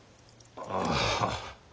ああ。